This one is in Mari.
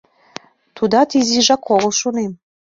Тидат изижак огыл, шонем.